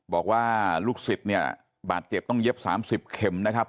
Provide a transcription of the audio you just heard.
บอกว่าลูกศิษย์เนี่ยบาดเจ็บต้องเย็บ๓๐เข็มนะครับ